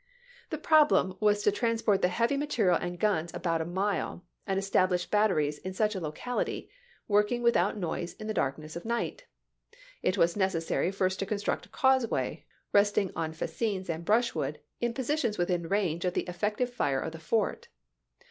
The problem was to trans p. '151.' port the heavy material and guns about a mile, and establish batteries in such a locality, working with out noise in the darkness of night. It was necessary first to construct a causeway, resting on fascines and brushwood in positions within range of the effective fire of the fort.